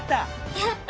やった！